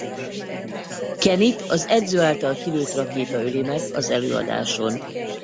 Kennyt az edző által kilőtt rakéta öli meg az előadáson.